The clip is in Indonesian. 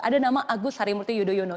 ada nama agus sari murti yudhoyono